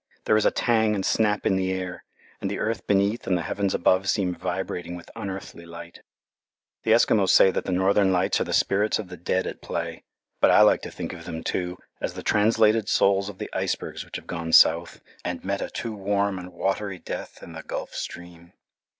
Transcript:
There is a tang and snap in the air, and the earth beneath and the heavens above seem vibrating with unearthly life. The Eskimos say that the Northern lights are the spirits of the dead at play, but I like to think of them, too, as the translated souls of the icebergs which have gone south and met a too warm and watery death in the Gulf Stream.